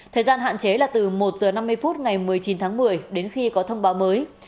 thời gian hạn chế là từ một h năm mươi phút ngày một mươi chín tháng một mươi đến khi có thông báo mới